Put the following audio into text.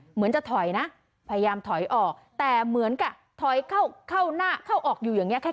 เหมือนจะถอยนะพยายามถอยออกแต่เหมือนกับถอยเข้าเข้าหน้าเข้าออกอยู่อย่างเงี้แค่